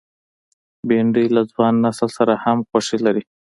بېنډۍ له ځوان نسل سره هم خوښي لري